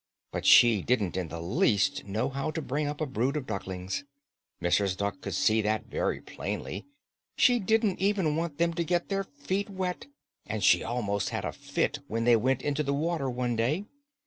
But she didn't in the least know how to bring up a brood of ducklings. Mrs. Duck could see that very plainly. She didn't even want them to get their feet wet and she almost had a fit when they went into the water one day.